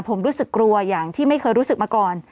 ผมรู้สึกกลัวอย่างที่ไม่เคยรู้สึกมาก่อน